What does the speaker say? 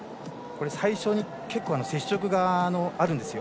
最初に結構、接触があるんですよ。